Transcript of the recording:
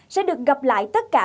sẽ được gặp lại tất cả